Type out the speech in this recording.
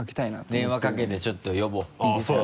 電話かけてちょっと呼ぼう。